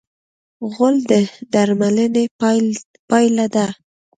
غول د درملنې پایله ده.